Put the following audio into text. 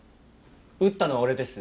撃ったのは俺です。